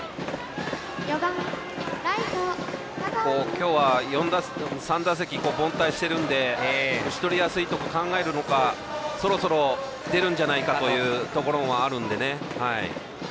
今日は３打席凡退しているので打ち取りやすいとこ考えるのかそろそろ、出るんじゃないかというところもあるので。